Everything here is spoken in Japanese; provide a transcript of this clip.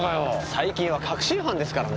最近は確信犯ですからねぇ。